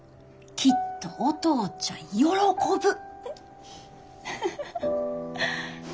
きっとお父ちゃん喜ぶ。